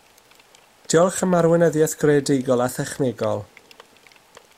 Diolch am arweinyddiaeth greadigol a thechnegol